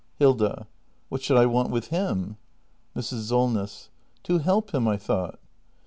Hilda. What should I want with him ? Mrs. Solness. To help him, I thought.